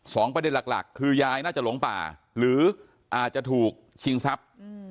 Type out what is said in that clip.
ประเด็นหลักคือยายน่าจะหลงป่าหรืออาจจะถูกชิงทรัพย์